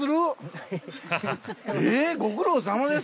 えっご苦労さまです。